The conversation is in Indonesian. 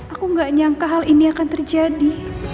aku gak nyangka hal ini akan terjadi